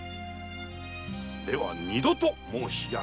では二度と申し上げませぬ。